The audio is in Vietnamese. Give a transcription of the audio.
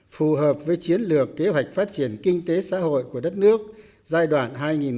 phù hợp với chiến lược kế hoạch phát triển kinh tế xã hội của đất nước giai đoạn hai nghìn hai mươi một hai nghìn ba mươi